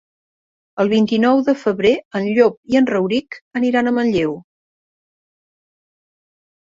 El vint-i-nou de febrer en Llop i en Rauric aniran a Manlleu.